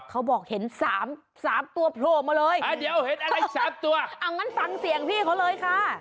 เขาบอกเห็น๓๓ตัวโผล่มาเลย